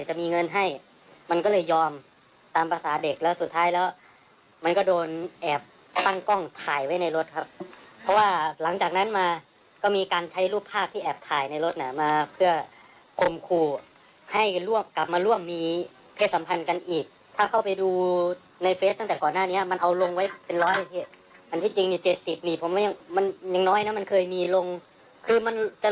จะมีเงินให้มันก็เลยยอมตามภาษาเด็กแล้วสุดท้ายแล้วมันก็โดนแอบตั้งกล้องถ่ายไว้ในรถครับเพราะว่าหลังจากนั้นมาก็มีการใช้รูปภาพที่แอบถ่ายในรถน่ะมาเพื่อคมคู่ให้ร่วมกลับมาร่วมมีเพศสัมพันธ์กันอีกถ้าเข้าไปดูในเฟสต์ตั้งแต่ก่อนหน้านี้มันเอาลงไว้เป็นร้อยเหตุอันที่จริง๗๐นี่ผม